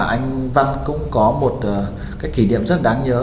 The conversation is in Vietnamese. anh văn cũng có một cái kỷ niệm rất đáng nhớ